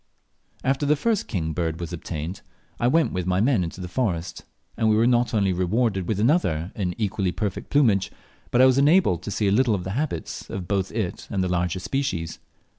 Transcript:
After the first king bird was obtained, I went with my men into the forest, and we were not only rewarded with another in equally perfect plumage, but I was enabled to see a little of the habits of both it and the larger species.